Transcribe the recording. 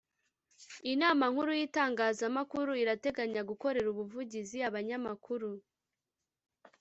Inama Nkuru y’Itangazamakuru irateganya gukorera ubuvugizi abanyamakuru